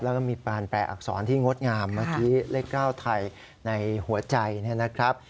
แล้วก็มีปานแปลอักษรที่งดงามเมื่อกี้เลข๙ไทยในหัวใจเนี่ยนะครับ